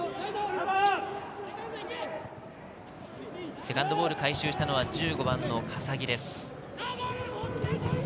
セカンドボール、回収したのは１５番の笠置です。